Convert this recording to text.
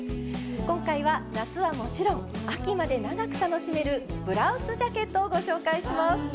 今回は夏はもちろん秋まで長く楽しめるブラウスジャケットをご紹介します。